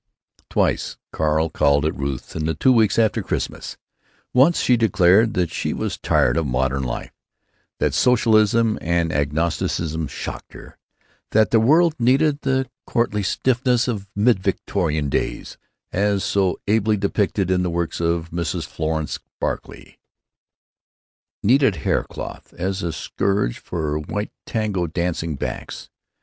Twice Carl called at Ruth's in the two weeks after Christmas. Once she declared that she was tired of modern life, that socialism and agnosticism shocked her, that the world needed the courtly stiffness of mid Victorian days, as so ably depicted in the works of Mrs. Florence Barclay—needed hair cloth as a scourge for white tango dancing backs.